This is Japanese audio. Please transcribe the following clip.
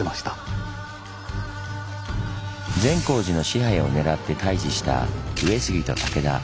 善光寺の支配を狙って対峙した上杉と武田。